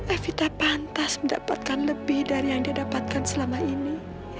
evita pantas mendapatkan lebih dari yang dia dapatkan selama ini